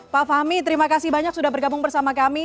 pak fahmi terima kasih banyak sudah bergabung bersama kami